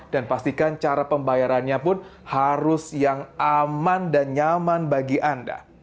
dan pastikan cara pembayarannya pun harus yang aman dan nyaman bagi anda